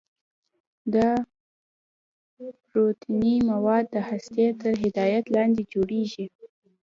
دا پروتیني مواد د هستې تر هدایت لاندې جوړیږي.